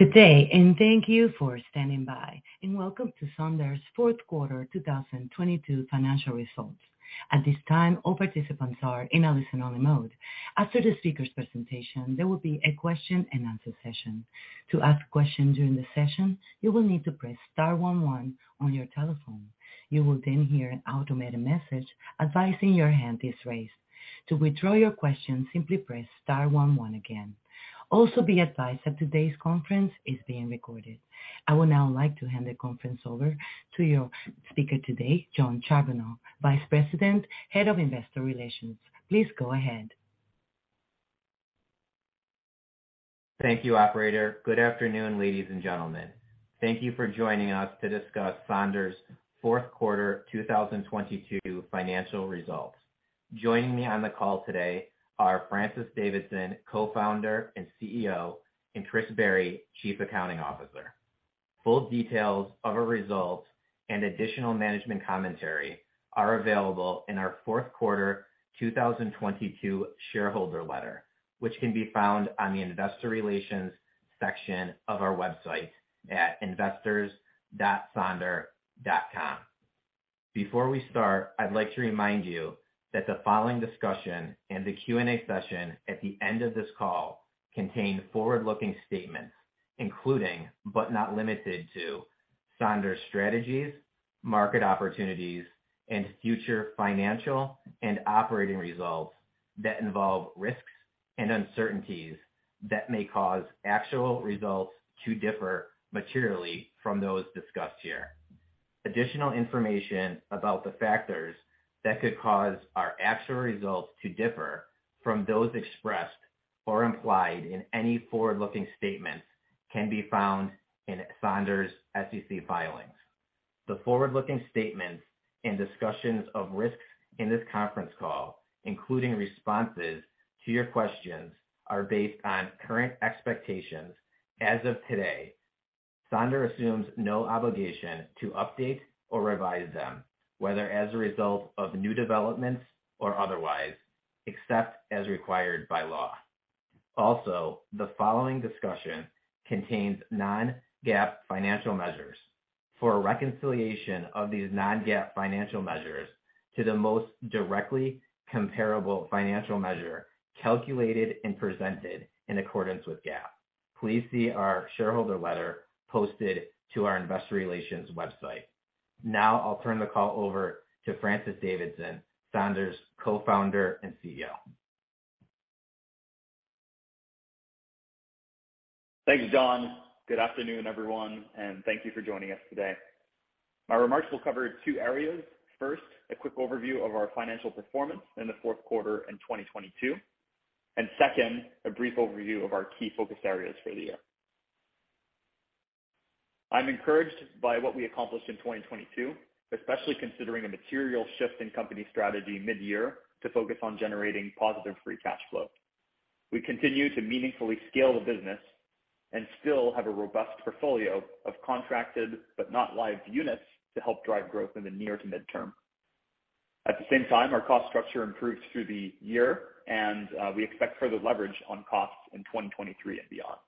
Good day, thank you for standing by, and welcome to Sonder's fourth quarter 2022 financial results. At this time, all participants are in a listen-only mode. After the speaker's presentation, there will be a question-and-answer session. To ask questions during the session, you will need to press star one one on your telephone. You will hear an automated message advising your hand is raised. To withdraw your question, simply press star one one again. Be advised that today's conference is being recorded. I would now like to hand the conference over to your speaker today, Jon Charbonneau, Vice President, Head of Investor Relations. Please go ahead. Thank you, operator. Good afternoon, ladies and gentlemen. Thank you for joining us to discuss Sonder's fourth quarter 2022 financial results. Joining me on the call today are Francis Davidson, Co-founder and CEO, and Chris Berry, Chief Accounting Officer. Full details of our results and additional management commentary are available in our fourth quarter 2022 shareholder letter, which can be found on the investor relations section of our website at investors.sonder.com. Before we start, I'd like to remind you that the following discussion and the Q&A session at the end of this call contain forward-looking statements, including, but not limited to Sonder's strategies, market opportunities, and future financial and operating results that involve risks and uncertainties that may cause actual results to differ materially from those discussed here. Additional information about the factors that could cause our actual results to differ from those expressed or implied in any forward-looking statements can be found in Sonder's SEC filings. The forward-looking statements and discussions of risks in this conference call, including responses to your questions, are based on current expectations as of today. Sonder assumes no obligation to update or revise them, whether as a result of new developments or otherwise, except as required by law. The following discussion contains non-GAAP financial measures. For a reconciliation of these non-GAAP financial measures to the most directly comparable financial measure calculated and presented in accordance with GAAP. Please see our shareholder letter posted to our investor relations website. I'll turn the call over to Francis Davidson, Sonder's Co-founder and CEO. Thanks, John. Good afternoon, everyone, thank you for joining us today. My remarks will cover two areas. First, a quick overview of our financial performance in the fourth quarter in 2022, second, a brief overview of our key focus areas for the year. I'm encouraged by what we accomplished in 2022, especially considering a material shift in company strategy mid-year to focus on generating positive free cash flow. We continue to meaningfully scale the business and still have a robust portfolio of contracted but not live units to help drive growth in the near to midterm. At the same time, our cost structure improved through the year, we expect further leverage on costs in 2023 and beyond.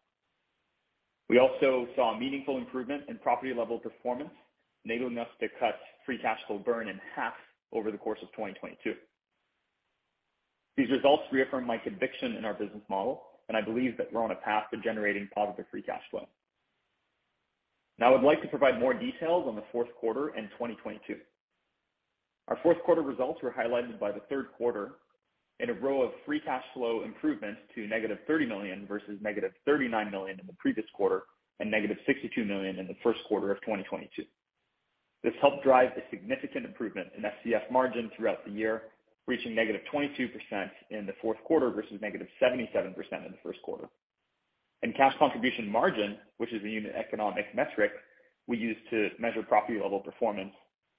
We also saw a meaningful improvement in property-level performance, enabling us to cut free cash flow burn in half over the course of 2022. These results reaffirm my conviction in our business model. I believe that we're on a path to generating positive free cash flow. I'd like to provide more details on the fourth quarter in 2022. Our fourth quarter results were highlighted by the third quarter in a row of free cash flow improvements to -$30 million versus -$39 million in the previous quarter and -$62 million in the first quarter of 2022. This helped drive a significant improvement in FCF margin throughout the year, reaching -22% in the fourth quarter versus -77% in the first quarter. Cash contribution margin, which is a unit economic metric we use to measure property level performance,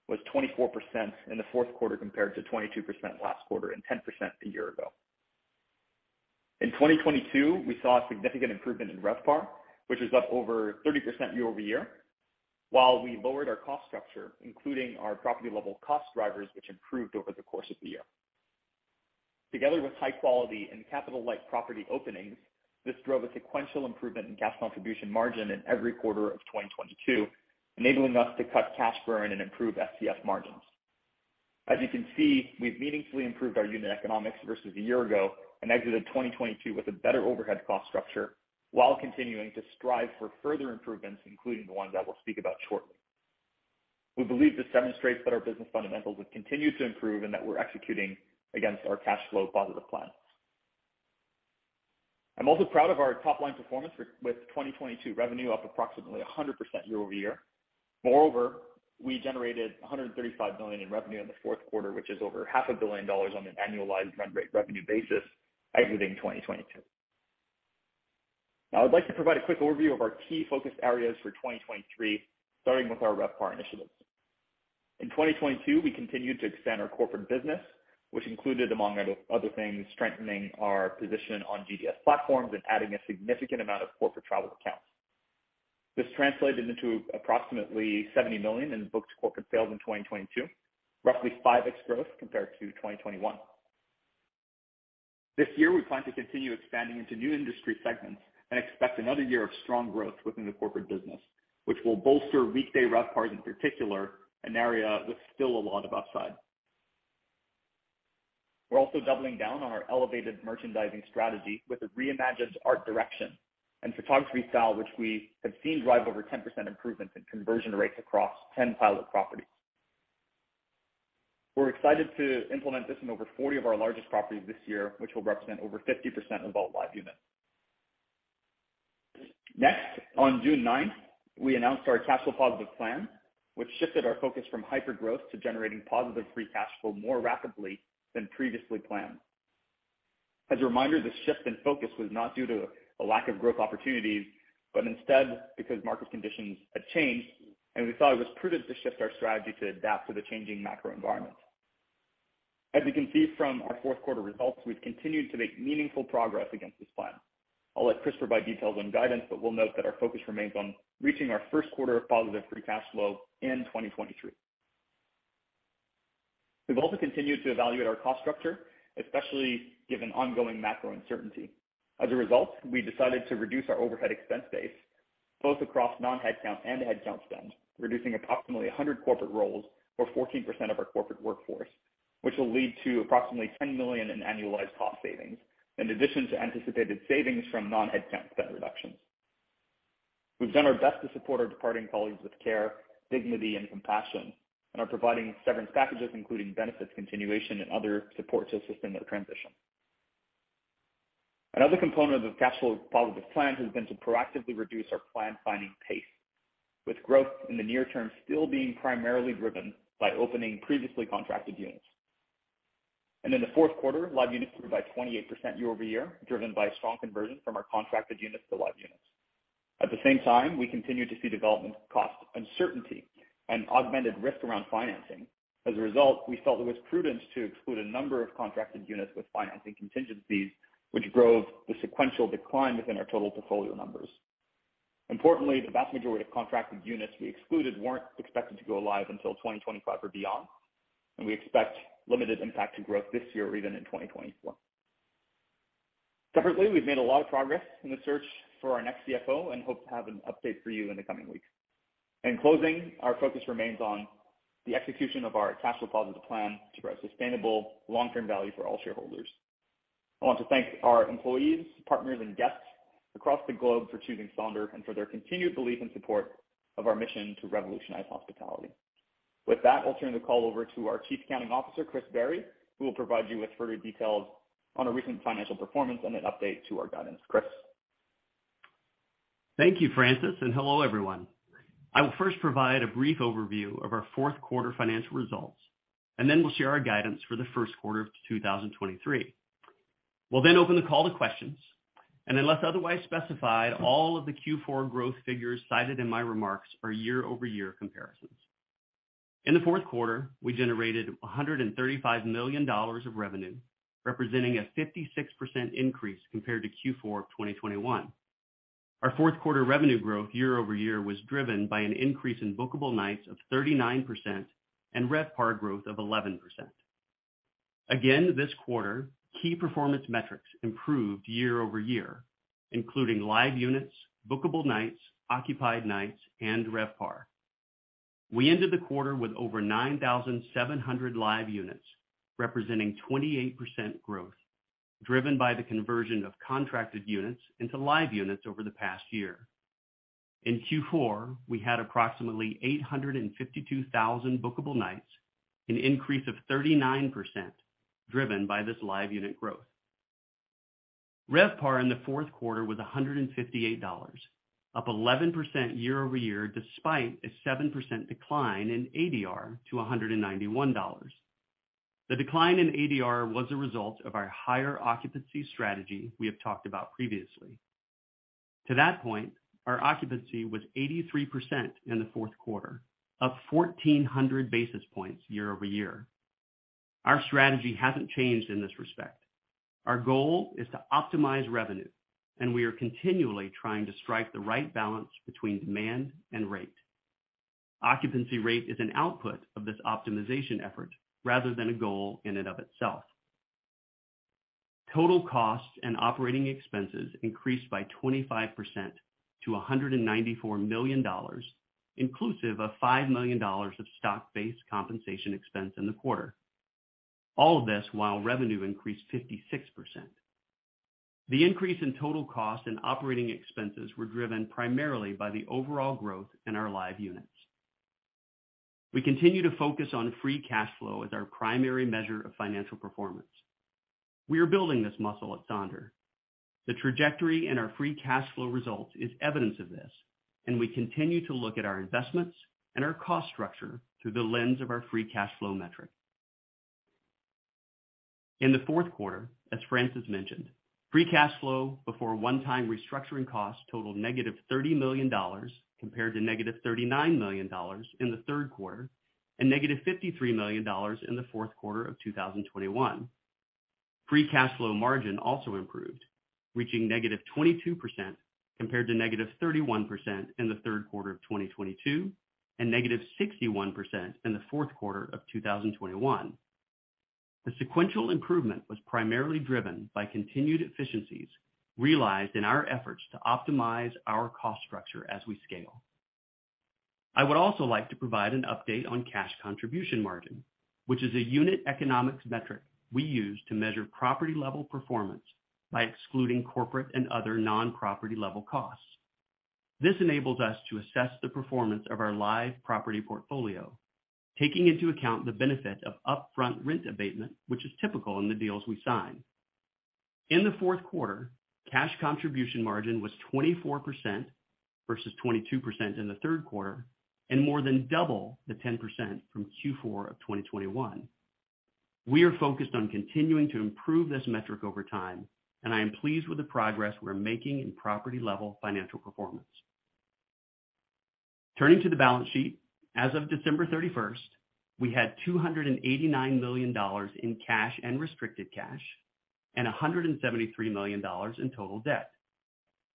was 24% in the fourth quarter compared to 22% last quarter and 10% a year ago. In 2022, we saw a significant improvement in RevPAR, which is up over 30% year-over-year, while we lowered our cost structure, including our property-level cost drivers which improved over the course of the year. Together with high quality and capital-light property openings, this drove a sequential improvement in cash contribution margin in every quarter of 2022, enabling us to cut cash burn and improve FCF margins. As you can see, we've meaningfully improved our unit economics versus a year ago and exited 2022 with a better overhead cost structure while continuing to strive for further improvements, including the ones that we'll speak about shortly. We believe this demonstrates that our business fundamentals will continue to improve and that we're executing against our Cash Flow Positive Plan. I'm also proud of our top-line performance with 2022 revenue up approximately 100% year-over-year. We generated $135 million in revenue in the fourth quarter, which is over half a billion dollars on an annualized run rate revenue basis exiting 2022. I'd like to provide a quick overview of our key focus areas for 2023, starting with our RevPAR initiatives. In 2022, we continued to extend our corporate business, which included, among other things, strengthening our position on GDS platforms and adding a significant amount of corporate travel accounts. This translated into approximately $70 million in booked corporate sales in 2022, roughly 5x growth compared to 2021. This year, we plan to continue expanding into new industry segments and expect another year of strong growth within the corporate business, which will bolster weekday RevPARs in particular, an area with still a lot of upside. We're also doubling down on our elevated merchandising strategy with a reimagined art direction and photography style, which we have seen drive over 10% improvements in conversion rates across 10 pilot properties. We're excited to implement this in over 40 of our largest properties this year, which will represent over 50% of all Live Units. On June 9, we announced our Cash Flow Positive Plan, which shifted our focus from hyper-growth to generating positive free cash flow more rapidly than previously planned. As a reminder, this shift in focus was not due to a lack of growth opportunities, but instead because market conditions had changed, and we thought it was prudent to shift our strategy to adapt to the changing macro environment. As you can see from our fourth quarter results, we've continued to make meaningful progress against this plan. I'll let Chris Berry provide details on guidance, but we'll note that our focus remains on reaching our first quarter of positive free cash flow in 2023. We've also continued to evaluate our cost structure, especially given ongoing macro uncertainty. As a result, we decided to reduce our overhead expense base both across non-headcount and headcount spend, reducing approximately 100 corporate roles or 14% of our corporate workforce, which will lead to approximately $10 million in annualized cost savings in addition to anticipated savings from non-headcount spend reductions. We've done our best to support our departing colleagues with care, dignity, and compassion, and are providing severance packages, including benefits continuation and other support to assist in their transition. Another component of Cash Flow Positive Plan has been to proactively reduce our plan finding pace, with growth in the near term still being primarily driven by opening previously contracted units. In the fourth quarter, Live Units grew by 28% year-over-year, driven by strong conversion from our contracted units to Live Units. At the same time, we continued to see development cost uncertainty and augmented risk around financing. As a result, we felt it was prudent to exclude a number of contracted units with financing contingencies which drove the sequential decline within our total portfolio numbers. Importantly, the vast majority of contracted units we excluded weren't expected to go live until 2025 or beyond, and we expect limited impact to growth this year or even in 2024. Separately, we've made a lot of progress in the search for our next CFO and hope to have an update for you in the coming weeks. In closing, our focus remains on the execution of our Cash Flow Positive Plan to grow sustainable long-term value for all shareholders. I want to thank our employees, partners, and guests across the globe for choosing Sonder and for their continued belief and support of our mission to revolutionize hospitality. With that, I'll turn the call over to our Chief Accounting Officer, Chris Berry, who will provide you with further details on our recent financial performance and an update to our guidance. Chris. Thank you, Francis. Hello, everyone. I will first provide a brief overview of our fourth quarter financial results. Then we'll share our guidance for the first quarter of 2023. We'll then open the call to questions. Unless otherwise specified, all of the Q4 growth figures cited in my remarks are year-over-year comparisons. In the fourth quarter, we generated $135 million of revenue, representing a 56% increase compared to Q4 of 2021. Our fourth quarter revenue growth year-over-year was driven by an increase in bookable nights of 39% and RevPAR growth of 11%. Again, this quarter, key performance metrics improved year-over-year, including Live Units, bookable nights, Occupied Nights, and RevPAR. We ended the quarter with over 9,700 Live Units, representing 28% growth, driven by the conversion of contracted units into Live Units over the past year. In Q4, we had approximately 852,000 bookable nights, an increase of 39% driven by this Live Unit growth. RevPAR in the fourth quarter was $158, up 11% year-over-year, despite a 7% decline in ADR to $191. The decline in ADR was a result of our higher occupancy strategy we have talked about previously. To that point, our occupancy was 83% in the fourth quarter, up 1,400 basis points year-over-year. Our strategy hasn't changed in this respect. Our goal is to optimize revenue, and we are continually trying to strike the right balance between demand and rate. Occupancy rate is an output of this optimization effort rather than a goal in and of itself. Total costs and operating expenses increased by 25% to $194 million, inclusive of $5 million of stock-based compensation expense in the quarter. All of this while revenue increased 56%. The increase in total cost and operating expenses were driven primarily by the overall growth in our Live Units. We continue to focus on free cash flow as our primary measure of financial performance. We are building this muscle at Sonder. The trajectory in our free cash flow results is evidence of this, and we continue to look at our investments and our cost structure through the lens of our free cash flow metric. In the fourth quarter, as Francis mentioned, free cash flow before one-time restructuring costs totaled -$30 million, compared to -$39 million in the third quarter and -$53 million in the fourth quarter of 2021. Free cash flow margin also improved, reaching -22% compared to -31% in the third quarter of 2022, and -61% in the fourth quarter of 2021. The sequential improvement was primarily driven by continued efficiencies realized in our efforts to optimize our cost structure as we scale. I would also like to provide an update on cash contribution margin, which is a unit economics metric we use to measure property-level performance by excluding corporate and other non-property level costs. This enables us to assess the performance of our live property portfolio, taking into account the benefit of upfront rent abatement, which is typical in the deals we sign. In the fourth quarter, cash contribution margin was 24% versus 22% in the third quarter, and more than double the 10% from Q4 of 2021. We are focused on continuing to improve this metric over time, and I am pleased with the progress we're making in property-level financial performance. Turning to the balance sheet. As of December 31st, we had $289 million in cash and restricted cash and $173 million in total debt.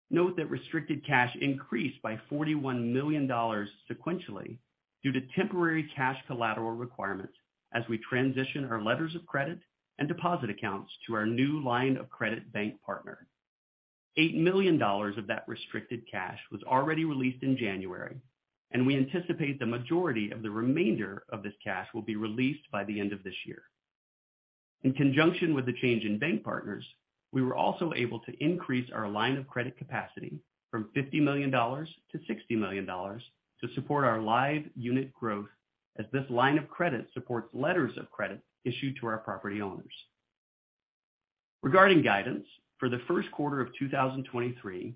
Note that restricted cash increased by $41 million sequentially due to temporary cash collateral requirements as we transition our letters of credit and deposit accounts to our new line of credit bank partner. $8 million of that restricted cash was already released in January. We anticipate the majority of the remainder of this cash will be released by the end of this year. In conjunction with the change in bank partners, we were also able to increase our line of credit capacity from $50 million to $60 million to support our Live Unit growth as this line of credit supports letters of credit issued to our property owners. Regarding guidance, for the first quarter of 2023,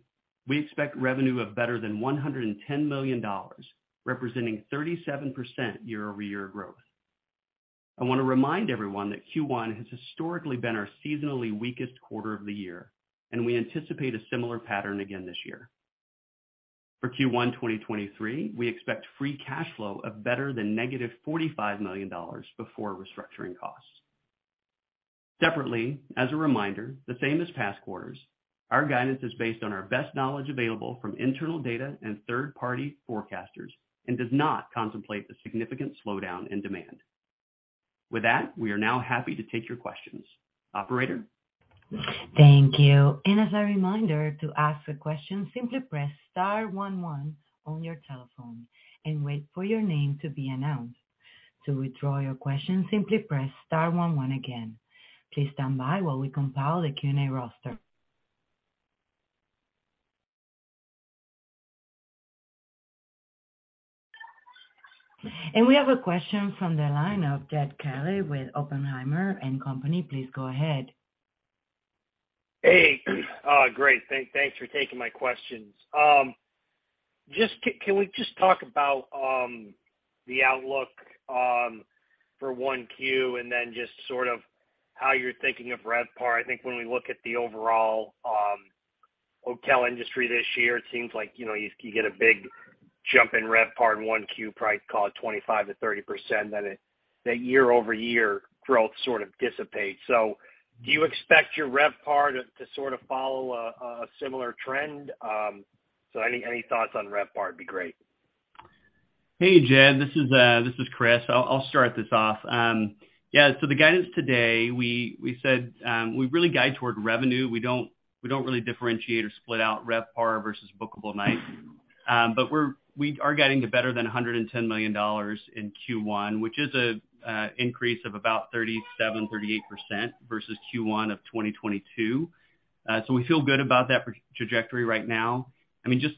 we expect revenue of better than $110 million, representing 37% year-over-year growth. I want to remind everyone that Q1 has historically been our seasonally weakest quarter of the year. We anticipate a similar pattern again this year. For Q1 2023, we expect free cash flow of better than -$45 million before restructuring costs. Separately, as a reminder, the same as past quarters, our guidance is based on our best knowledge available from internal data and third-party forecasters and does not contemplate the significant slowdown in demand. With that, we are now happy to take your questions. Operator? Thank you. As a reminder to ask a question, simply press star one one on your telephone and wait for your name to be announced. To withdraw your question, simply press star one one again. Please stand by while we compile the Q&A roster. We have a question from the line of Jed Kelly with Oppenheimer & Co.. Please go ahead. Hey. Great. Thanks for taking my questions. Just can we just talk about the outlook for 1Q and then just sort of how you're thinking of RevPAR? I think when we look at the overall hotel industry this year, it seems like, you know, you get a big jump in RevPAR in 1Q, probably call it 25%-30%, then the year-over-year growth sort of dissipates. Do you expect your RevPAR to sort of follow a similar trend? Any thoughts on RevPAR would be great. Hey, Jed, this is Chris. I'll start this off. Yeah, the guidance today, we said, we really guide toward revenue. We don't really differentiate or split out RevPAR versus bookable nights. We are guiding to better than $110 million in Q1, which is a increase of about 37%-38% versus Q1 of 2022. We feel good about that trajectory right now. I mean, just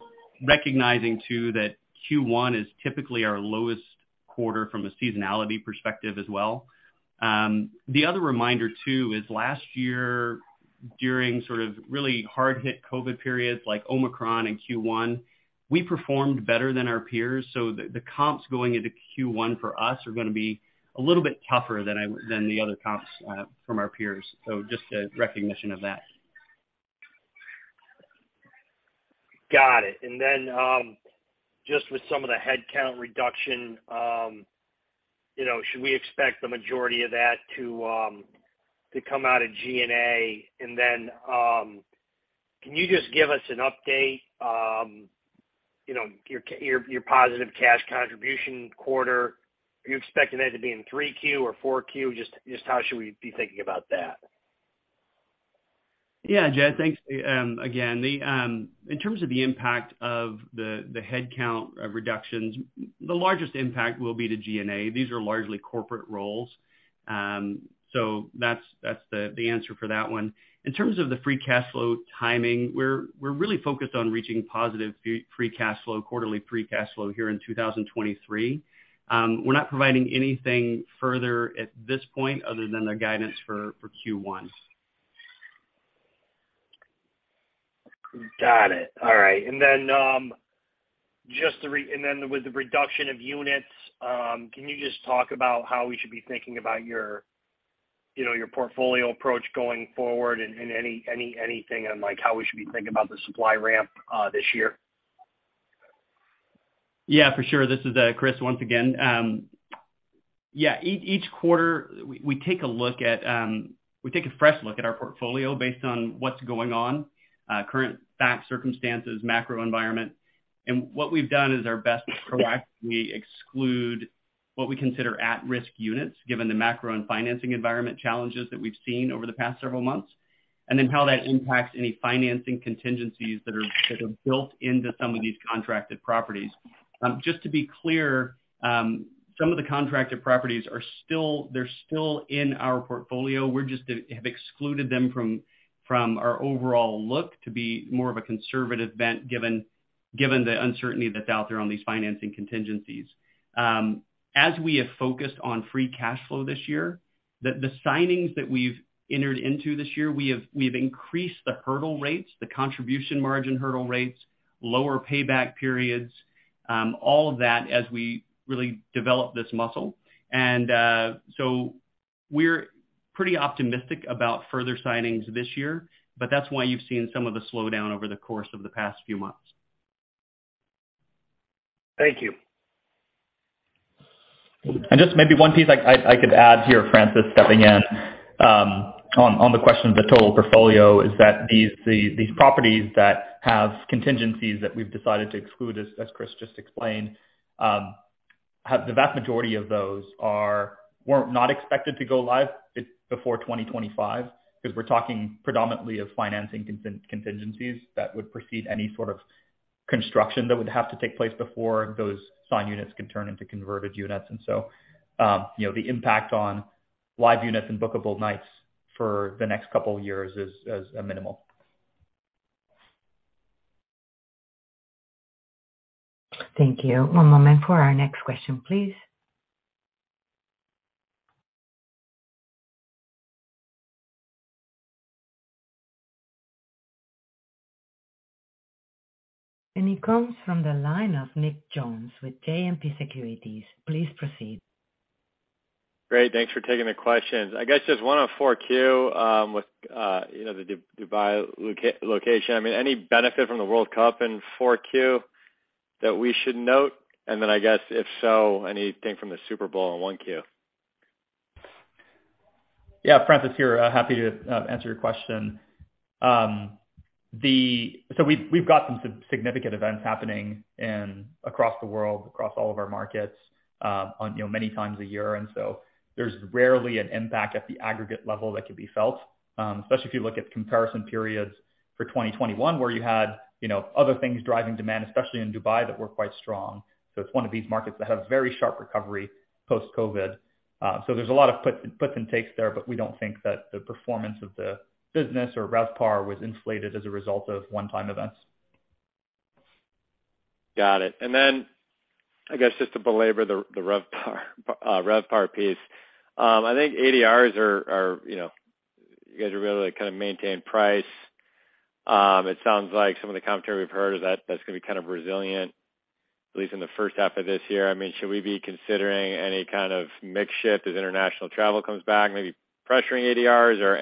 recognizing too that Q1 is typically our lowest quarter from a seasonality perspective as well. The other reminder too is last year during sort of really hard-hit COVID periods like Omicron in Q1, we performed better than our peers. The comps going into Q1 for us are gonna be a little bit tougher than the other comps from our peers. Just a recognition of that. Got it. Just with some of the headcount reduction, you know, should we expect the majority of that to come out of G&A? Can you just give us an update, you know, your your positive cash contribution quarter? Are you expecting that to be in 3Q or 4Q? Just how should we be thinking about that? Yeah. Jed, thanks again. The in terms of the impact of the headcount reductions, the largest impact will be to G&A. These are largely corporate roles. That's the answer for that one. In terms of the free cash flow timing, we're really focused on reaching positive free cash flow, quarterly free cash flow here in 2023. We're not providing anything further at this point other than the guidance for Q1. Got it. All right. With the reduction of units, can you just talk about how we should be thinking about your, you know, your portfolio approach going forward and anything on, like, how we should be thinking about the supply ramp this year? Yeah, for sure. This is Chris once again. Yeah, each quarter we take a look at. We take a fresh look at our portfolio based on what's going on, current facts, circumstances, macro environment. What we've done is our best to proactively exclude what we consider at-risk units, given the macro and financing environment challenges that we've seen over the past several months, and then how that impacts any financing contingencies that are built into some of these contracted properties. Just to be clear, some of the contracted properties they're still in our portfolio. We're just have excluded them from our overall look to be more of a conservative bent given the uncertainty that's out there on these financing contingencies. As we have focused on free cash flow this year, the signings that we've entered into this year, we have increased the hurdle rates, the contribution margin hurdle rates, lower payback periods, all of that as we really develop this muscle. We're pretty optimistic about further signings this year, that's why you've seen some of the slowdown over the course of the past few months. Thank you. Just maybe one piece I could add here, Francis, stepping in, on the question of the total portfolio is that these properties that have contingencies that we've decided to exclude, as Chris just explained, The vast majority of those were not expected to go live before 2025, 'cause we're talking predominantly of financing contingencies that would precede any sort of construction that would have to take place before those signed units could turn into converted units. You know, the impact on Live Units and bookable nights for the next couple years is minimal. Thank you. One moment for our next question, please. It comes from the line of Nick Jones with JMP Securities. Please proceed. Great. Thanks for taking the questions. I guess just one on 4Q, you know, the Dubai location. I mean, any benefit from the World Cup in 4Q that we should note? I guess, if so, anything from the Super Bowl in 1Q? Yeah, Francis here. Happy to answer your question. We've got some significant events happening across the world, across all of our markets, on, you know, many times a year. There's rarely an impact at the aggregate level that could be felt, especially if you look at comparison periods for 2021, where you had, you know, other things driving demand, especially in Dubai, that were quite strong. It's one of these markets that has very sharp recovery post-COVID. There's a lot of puts and takes there, but we don't think that the performance of the business or RevPAR was insulated as a result of one-time events. Got it. I guess just to belabor the RevPAR piece. I think ADRs are, you know. You guys are able to kind of maintain price. It sounds like some of the commentary we've heard is that that's gonna be kind of resilient, at least in the first half of this year. Should we be considering any kind of mix shift as international travel comes back, maybe pressuring ADRs or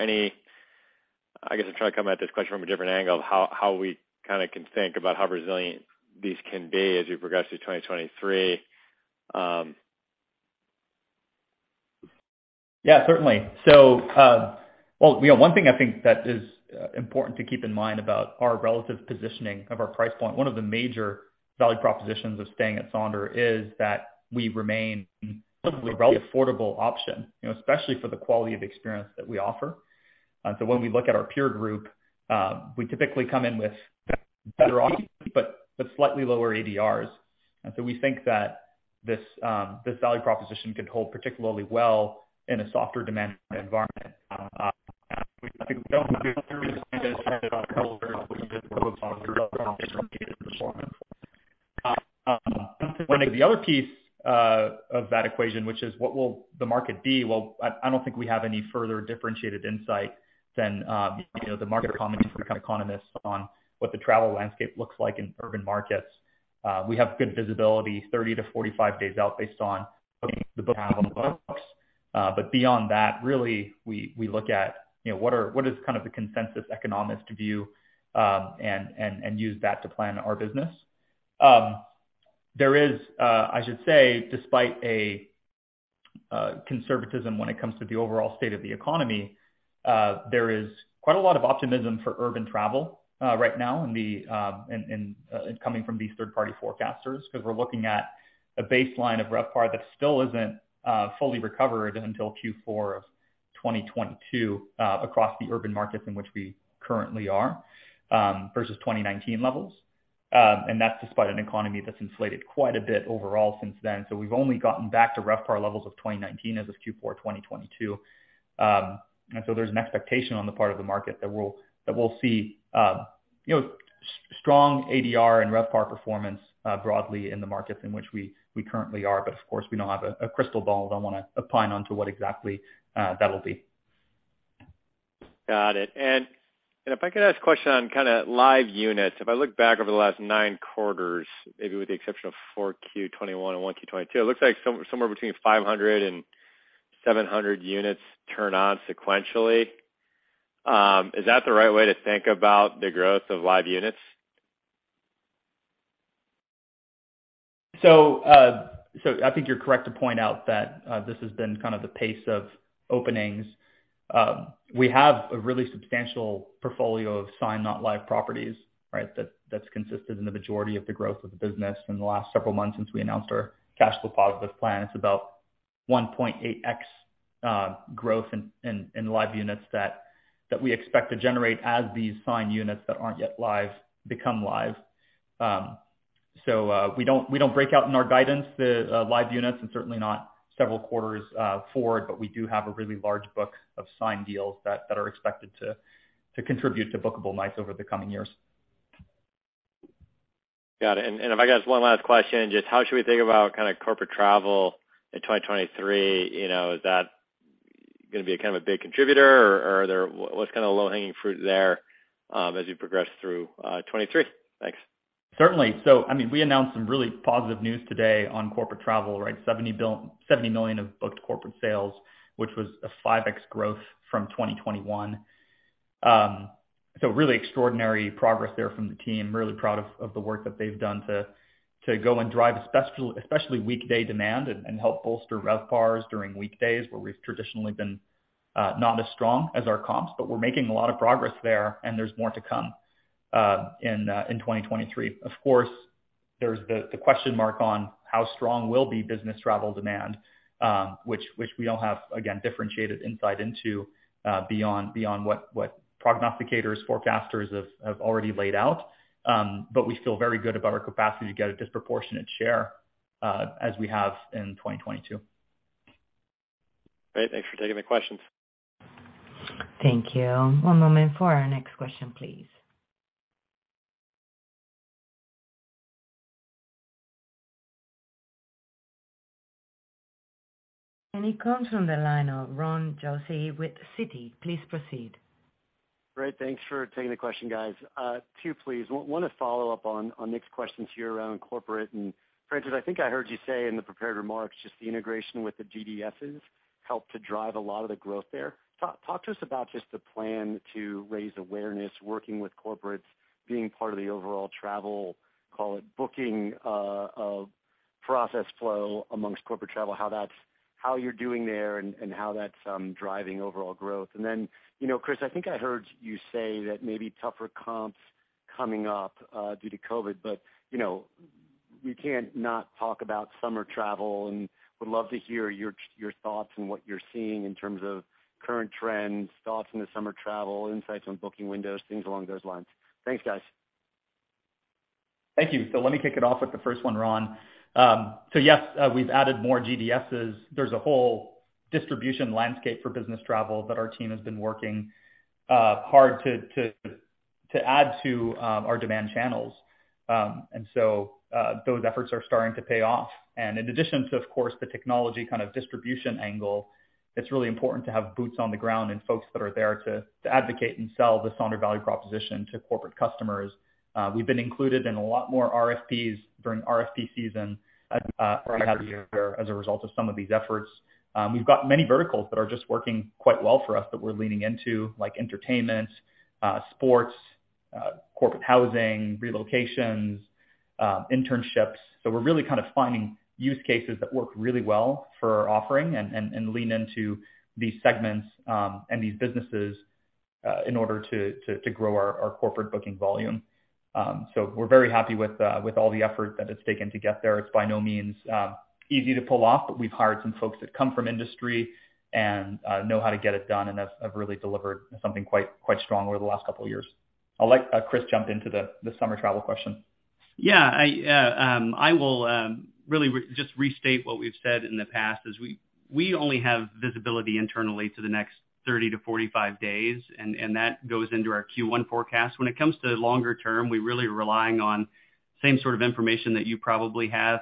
any. I guess I'm trying to come at this question from a different angle of how we kinda can think about how resilient these can be as we progress through 2023. Yeah, certainly. Well, you know, one thing I think that is important to keep in mind about our relative positioning of our price point, one of the major value propositions of staying at Sonder is that we remain a relatively affordable option, you know, especially for the quality of experience that we offer. When we look at our peer group, we typically come in with better options, but slightly lower ADRs. We think that this value proposition could hold particularly well in a softer demand environment. I think we don't have any further differentiated insight than what we've talked through on today's call. When it comes to the other piece of that equation, which is what will the market be? Well, I don't think we have any further differentiated insight than, you know, the market common economists on what the travel landscape looks like in urban markets. We have good visibility 30-45 days out based on the books. Beyond that, really, we look at, you know, what is kind of the consensus economist view, and use that to plan our business. There is, I should say, despite a conservatism when it comes to the overall state of the economy, there is quite a lot of optimism for urban travel right now in the coming from these third-party forecasters. 'Cause we're looking at a baseline of RevPAR that still isn't fully recovered until Q4 2022 across the urban markets in which we currently are versus 2019 levels. That's despite an economy that's inflated quite a bit overall since then. We've only gotten back to RevPAR levels of 2019 as of Q4 2022. There's an expectation on the part of the market that we'll see, you know, strong ADR and RevPAR performance broadly in the markets in which we currently are, but of course, we don't have a crystal ball. Don't wanna opine onto what exactly that'll be. Got it. If I could ask a question on kind of Live Units. If I look back over the last nine quarters, maybe with the exception of 4Q 2021 and 1Q 2022, it looks like somewhere between 500 and 700 units turn on sequentially. Is that the right way to think about the growth of Live Units? I think you're correct to point out that this has been kind of the pace of openings. We have a really substantial portfolio of signed not live properties, right? That's consisted in the majority of the growth of the business in the last several months since we announced our Cash Flow Positive Plan. It's about 1.8x growth in Live Units that we expect to generate as these signed units that aren't yet live become live. We don't break out in our guidance the Live Units and certainly not several quarters forward, but we do have a really large book of signed deals that are expected to contribute to bookable nights over the coming years. Got it. If I got one last question, just how should we think about kind of corporate travel in 2023? You know, is that gonna be a kind of a big contributor or what's kind of low hanging fruit there, as we progress through 2023? Thanks. Certainly. I mean, we announced some really positive news today on corporate travel, right? $70 million of booked corporate sales, which was a 5x growth from 2021. Really extraordinary progress there from the team. Really proud of the work that they've done to go and drive especially weekday demand and help bolster RevPARs during weekdays where we've traditionally been not as strong as our comps. We're making a lot of progress there and there's more to come in 2023. Of course, there's the question mark on how strong will be business travel demand, which we all have, again, differentiated insight into beyond what prognosticators, forecasters have already laid out. We feel very good about our capacity to get a disproportionate share, as we have in 2022. Great. Thanks for taking the questions. Thank you. One moment for our next question, please. It comes from the line of Ron Josey with Citi. Please proceed. Great. Thanks for taking the question, guys. Two please. wanna follow up on Nick's questions here around corporate. Francis, I think I heard you say in the prepared remarks just the integration with the GDSs helped to drive a lot of the growth there. talk to us about just the plan to raise awareness, working with corporates, being part of the overall travel, call it booking, process flow amongst corporate travel, how you're doing there and how that's driving overall growth. You know, Chris, I think I heard you say that maybe tougher comps coming up due to COVID, but you know, you can't not talk about summer travel and would love to hear your thoughts and what you're seeing in terms of current trends, thoughts in the summer travel, insights on booking windows, things along those lines. Thanks, guys. Thank you. Let me kick it off with the first one, Ron. Yes, we've added more GDSs. There's a whole distribution landscape for business travel that our team has been working hard to add to our demand channels. Those efforts are starting to pay off. In addition to, of course, the technology kind of distribution angle, it's really important to have boots on the ground and folks that are there to advocate and sell the Sonder value proposition to corporate customers. We've been included in a lot more RFPs during RFP season as a result of some of these efforts. We've got many verticals that are just working quite well for us that we're leaning into, like entertainment, sports, corporate housing, relocations, internships. We're really kind of finding use cases that work really well for our offering and lean into these segments, and these businesses, in order to grow our corporate booking volume. We're very happy with all the effort that it's taken to get there. It's by no means easy to pull off, but we've hired some folks that come from industry and know how to get it done, and have really delivered something quite strong over the last couple of years. I'll let Chris jump into the summer travel question. I will just restate what we've said in the past, is, we only have visibility internally to the next 30 to 45 days. That goes into our Q1 forecast. When it comes to longer term, we really are relying on same sort of information that you probably have,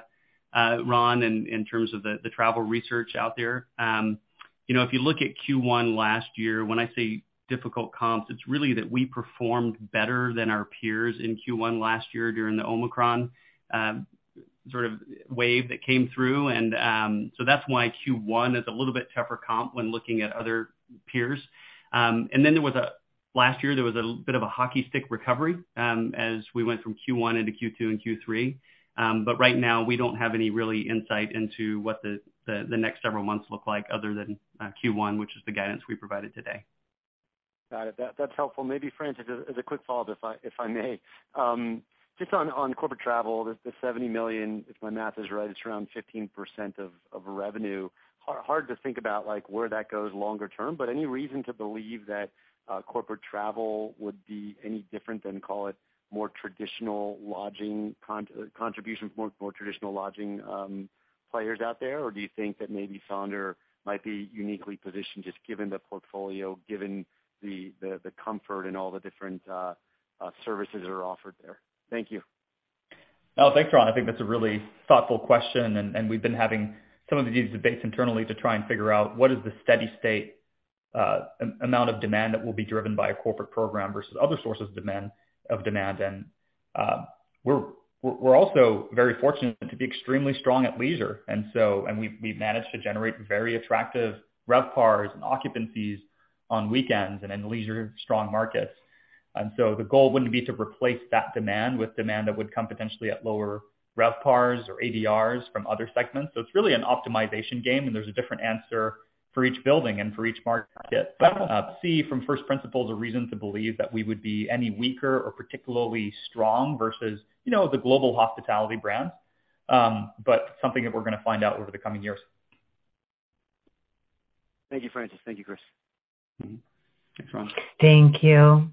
Ron, in terms of the travel research out there. You know, if you look at Q1 last year, when I say difficult comps, it's really that we performed better than our peers in Q1 last year during the Omicron sort of wave that came through. That's why Q1 is a little bit tougher comp when looking at other peers. Last year, there was a bit of a hockey stick recovery, as we went from Q1 into Q2 and Q3. Right now, we don't have any really insight into what the next several months look like other than Q1, which is the guidance we provided today. Got it. That's helpful. Maybe Francis, as a quick follow-up if I, if I may. Just on corporate travel, the $70 million, if my math is right, it's around 15% of revenue. Hard to think about like, where that goes longer term, but any reason to believe that corporate travel would be any different than, call it more traditional lodging contribution from more traditional lodging players out there? Do you think that maybe Sonder might be uniquely positioned just given the portfolio, given the comfort and all the different services that are offered there? Thank you. No, thanks, Ron. I think that's a really thoughtful question, and we've been having some of these debates internally to try and figure out what is the steady state amount of demand that will be driven by a corporate program versus other sources demand, of demand. We're also very fortunate to be extremely strong at leisure. We've managed to generate very attractive RevPARs and occupancies on weekends and in leisure strong markets. The goal wouldn't be to replace that demand with demand that would come potentially at lower RevPARs or ADRs from other segments. It's really an optimization game, and there's a different answer for each building and for each market. I don't see from first principles a reason to believe that we would be any weaker or particularly strong versus, you know, the global hospitality brands. Something that we're gonna find out over the coming years. Thank you, Francis. Thank you, Chris. Mm-hmm. Thanks, Ron. Thank you.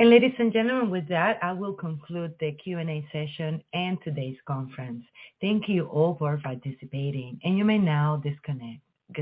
Ladies and gentlemen, with that, I will conclude the Q&A session and today's conference. Thank you all for participating and you may now disconnect.